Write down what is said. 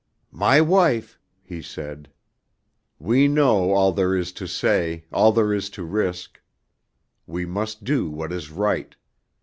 "My wife," he said, "we know all there is to say, all there is to risk. We must do what is right.